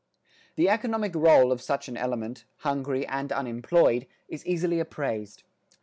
The economic rôle of such an element, hungry and unemployed, is easily appraised.